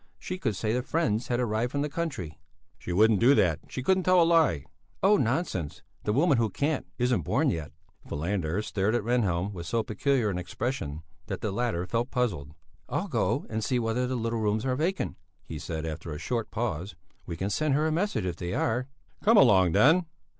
She could say that friends had arrived from the country." "She wouldn't do that; she couldn't tell a lie." "Oh, nonsense! The woman who can't isn't born yet!" Falander stared at Rehnhjelm with so peculiar an expression, that the latter felt puzzled. "I'll go and see whether the little rooms are vacant," he said after a short pause; "we can send her a message, if they are." "Come along then!"